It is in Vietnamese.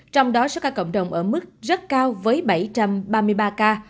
trong đó số ca cộng đồng ở mức rất cao với bảy trăm ba mươi ba ca